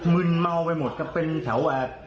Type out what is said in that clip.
มึนเมาไปหมดครับเป็นแถวว่า